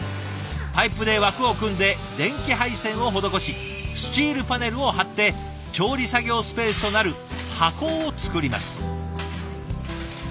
パイプで枠を組んで電気配線を施しスチールパネルを張って調理作業スペースとなる箱を作ります。